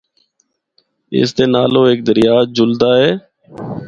اس دے نالو ہک دریا جُلدا اے۔